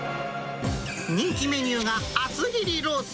人気メニューが厚切りロース。